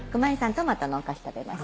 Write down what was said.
トマトのお菓子食べます？